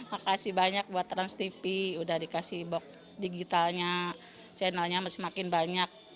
makasih banyak buat transtv udah dikasih box digitalnya channelnya masih makin banyak